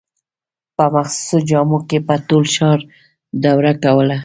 په مخصوصو جامو کې به د ټول ښار دوره کوله.